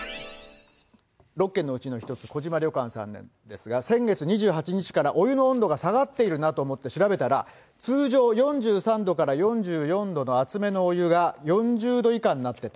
６軒のうちの一つ、小島旅館さんなんですが、先月２８日からお湯の温度が下がっているなと思って調べたら、通常４３度から４４度の熱めのお湯が、４０度以下になってた。